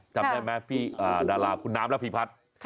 จำได้ไหมพี่ดาราคุณน้ำระพีพัฒน์